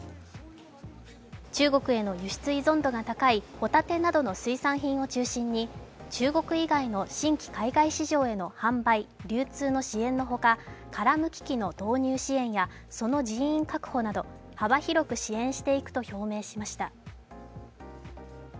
中国への輸出依存度が高いホタテなどの水産品を中心に中国以外の新規海外市場への販売、流通の支援のほか殻むき機の導入支援やその人員確保など幅広く支援していくと表明しました。